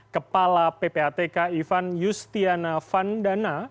kepala ppatk ivan yustiana vandana